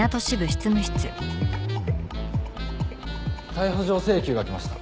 逮捕状請求が来ました。